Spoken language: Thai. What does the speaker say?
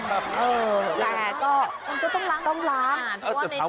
แต่ก็มันต้องล้าง